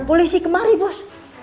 polisi kemari bos